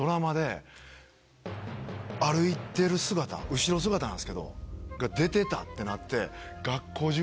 後ろ姿なんですけど出てたってなって。